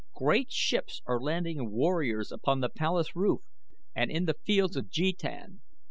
Great ships are landing warriors upon the palace roof and in the Fields of Jetan.